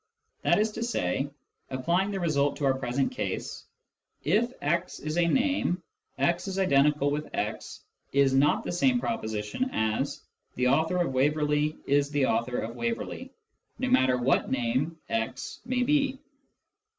That is to say, applying the result to our present case : If " x " is a name, " x—x " is not the same proposition as " the author of Waverley is the author of Waverley" no matter what name " x " may be.